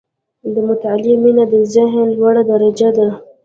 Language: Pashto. • د مطالعې مینه، د ذهن لوړه درجه ده.